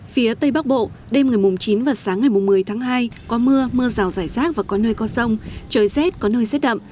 phía tây bắc bộ đêm ngày chín và sáng ngày một mươi tháng hai có mưa mưa rào rải rác và có nơi có sông trời rét có nơi rét đậm